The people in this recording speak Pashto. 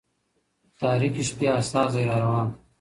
د تاريكي شپې استازى را روان دى